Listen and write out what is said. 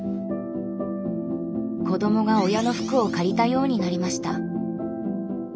子どもが親の服を借りたようになりました。